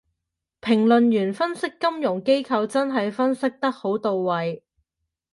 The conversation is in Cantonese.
評論員分析金融機構真係分析得好到位